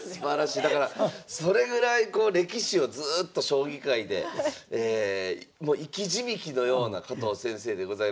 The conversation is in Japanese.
だからそれぐらいこう歴史をずっと将棋界で生き字引のような加藤先生でございますが。